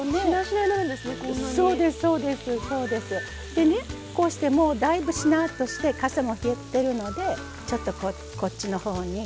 でねこうしてもうだいぶしなっとしてかさも減ってるのでちょっとこっちの方に。